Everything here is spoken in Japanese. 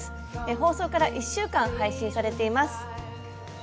放送から１週間配信されています。